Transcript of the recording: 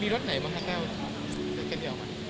มีรสไหนบ้างคะเต้าเสื้อกันเดียวมั้ย